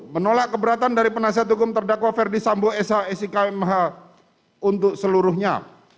satu menolak keberatan dari penasihat hukum terdakwa ferdisambo sh sikmh untuk seluruhnya